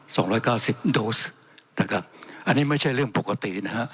สองร้อยเก้าสิบโดสนะครับอันนี้ไม่ใช่เรื่องปกตินะฮะ